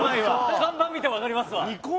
看板見てわかりますわ。